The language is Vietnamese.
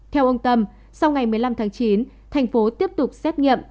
theo ông tâm sau ngày một mươi năm tháng chín thành phố tiếp tục xét nghiệm